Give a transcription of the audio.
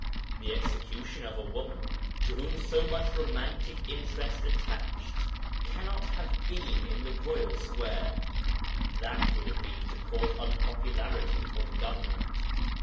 The execution of a woman to whom so much romantic interest attached cannot have been in the royal square; that would have been to court unpopularity for the Government.